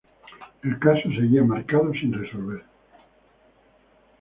El caso seguía marcado sin resolver.